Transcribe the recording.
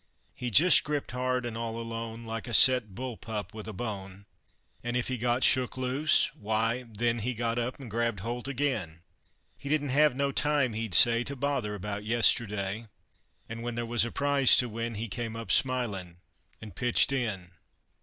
He jist gripped hard an' all alone Like a set bull pup with a bone, An' if he got shook loose, why then He got up an' grabbed holt again. He didn't have no time, he'd say, To bother about yesterday, An' when there was a prize to win He came up smilin' an' pitched in.